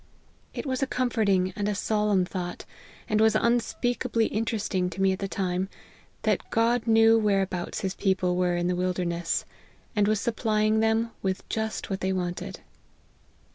It was a comforting and a solemn thought, and was unspeakably interesting to me at the time, that God knew whereabouts his people were in the wilderness, arid was supplying them with just what they wanted."